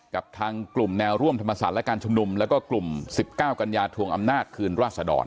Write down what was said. กับทางกลุ่มแนวร่วมธรรมศาสตร์และการชุมนุมแล้วก็กลุ่ม๑๙กัญญาทวงอำนาจคืนราษดร